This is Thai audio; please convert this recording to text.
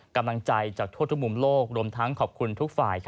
กำลังใจจากทั่วทุกมุมโลกรวมทั้งขอบคุณทุกฝ่าย